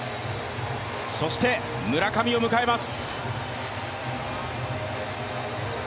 そして、村上を迎えます。